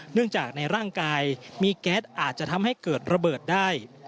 เนื่องจากในร่างกายมีแก๊สอาจจะทำให้เกิดระเบิดได้